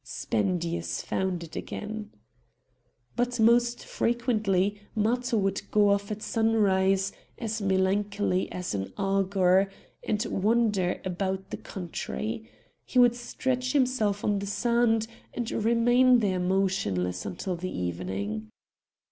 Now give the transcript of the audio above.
Spendius found it again. But most frequently Matho would go off at sunrise, as melancholy as an augur, to wander about the country. He would stretch himself on the sand, and remain there motionless until the evening.